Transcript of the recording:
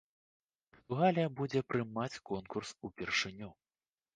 Партугалія будзе прымаць конкурс упершыню.